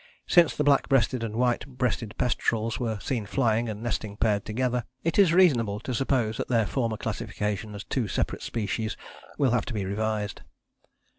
Since the black breasted and white breasted petrels were seen flying and nesting paired together, it is reasonable to suppose that their former classification as two separate species will have to be revised.